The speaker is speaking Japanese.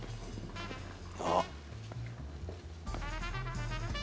あっ。